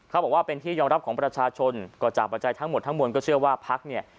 เขาบอกว่าเป็นที่ยอมรับของประชาชนก็จากปัจจัยทั้งหมดทั้งมวลก็เชื่อว่าพักเนี่ย